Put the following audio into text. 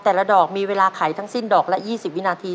แต่ละดอกมีเวลาไขทั้งสิ้นดอกละ๒๐วินาที